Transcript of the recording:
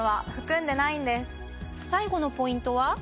最後のポイントは？